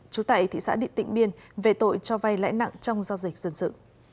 trú tại thị xã điện tịnh biên về tội cho vay lãi nặng trong giao dịch dân sự